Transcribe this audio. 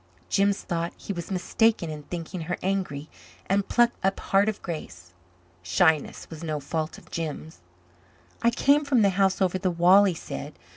Jims thought he was mistaken in thinking her angry and plucked up heart of grace. Shyness was no fault of Jims. "I came from the house over the wall," he said.